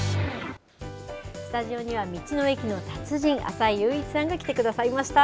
スタジオには道の駅の達人、浅井佑一さんが来てくださいました。